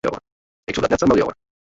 Ik soe dat net samar leauwe.